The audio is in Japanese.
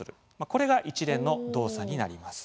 これが一連の動作になります。